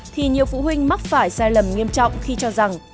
thì nhiều phụ huynh mắc phải sai lầm nghiêm trọng khi cho rằng